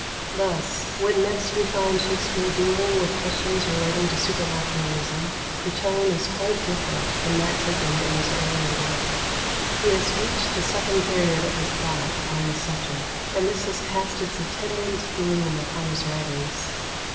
124. Thus, when next we find Shakspere dealing with questions relating to supernaturalism, the tone is quite different from that taken in his earlier work. He has reached the second period of his thought upon the subject, and this has cast its attendant gloom upon his writings.